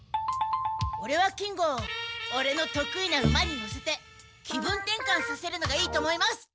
オレは金吾をオレのとくいな馬に乗せて気分転かんさせるのがいいと思います。